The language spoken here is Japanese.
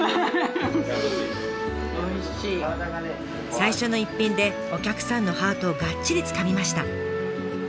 最初の一品でお客さんのハートをがっちりつかみました。